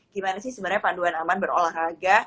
gimana sih sebenarnya panduan aman berolahraga